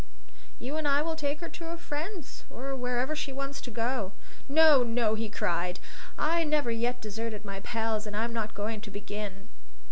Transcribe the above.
"You and I will take her to her friends, or wherever she wants to go." "No, no!" he cried. "I never yet deserted my pals, and I'm not going to begin."